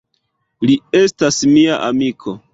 Li estas mia amiko.